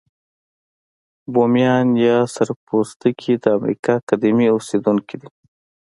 بومیان یا سره پوستکي د امریکا قديمي اوسیدونکي دي.